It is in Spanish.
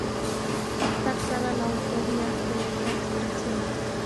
No está clara la autoría de esta expresión.